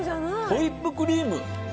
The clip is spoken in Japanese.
ホイップクリーム。